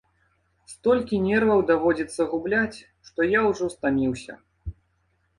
Столькі нерваў даводзіцца губляць, што я ўжо стаміўся.